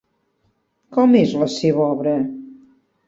Com és la seva obra?